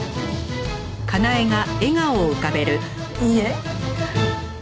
いいえ。